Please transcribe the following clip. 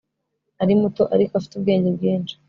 Ari muto ariko afite ubwenge bwinshi